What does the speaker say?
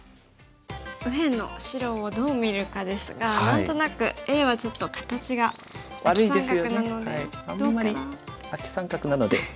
右辺の白をどう見るかですが何となくＡはちょっと形がアキ三角なのでどうかな。